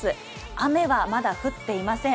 雨はまだ降っていません。